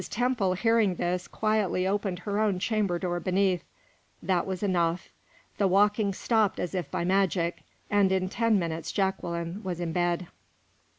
Temple, hearing this, quietly opened her own chamber door beneath. That was enough. The walk stopped as if by magic, and in ten minutes Jacqueline was in bed.